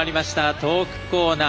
トークコーナー。